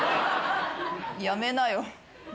やめなよ。